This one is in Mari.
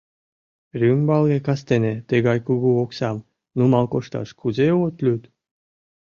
— Рӱмбалге кастене тыгай кугу оксам нумал кошташ кузе от лӱд?